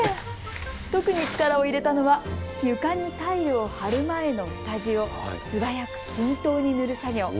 特に力を入れたのは床にタイルを張る前の下地を素早く均等に塗る作業。